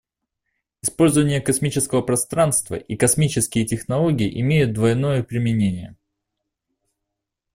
Использование космического пространства и космические технологии имеют двойное применение.